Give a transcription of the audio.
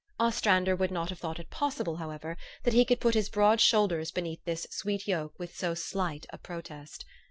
Ostrander would not have thought it possible, however, that he could put his broad shoulders beneath this sweet yoke with so slight a protest.